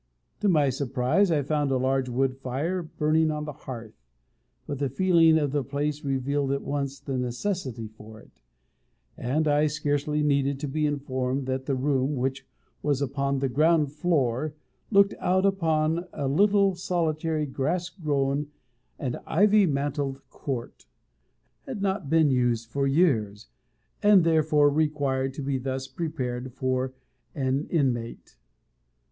To my surprise, I found a large wood fire burning on the hearth; but the feeling of the place revealed at once the necessity for it; and I scarcely needed to be informed that the room, which was upon the ground floor, and looked out upon a little solitary grass grown and ivy mantled court, had not been used for years, and therefore required to be thus prepared for an inmate.